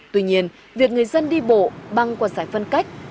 tuy nhiên việc người dân đi bộ bằng quần sải phân cách